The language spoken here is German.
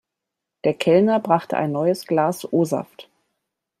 Der Kellner brachte ein neues Glas O-Saft.